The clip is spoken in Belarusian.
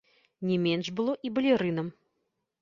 Не менш было і балерынам.